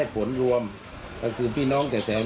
พระ